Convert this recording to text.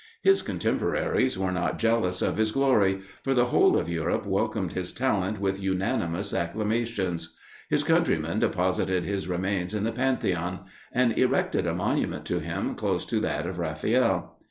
His contemporaries were not jealous of his glory, for the whole of Europe welcomed his talent with unanimous acclamations; his countrymen deposited his remains in the Pantheon, and erected a monument to him close to that of Raphael.